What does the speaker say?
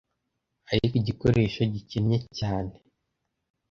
ariko igikoresho gikennye cyane